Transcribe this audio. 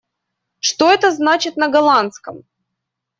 Что это значит на голландском?